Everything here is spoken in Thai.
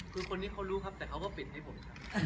คือคนนี้เขารู้ครับแต่เขาก็ปิดให้ผมครับ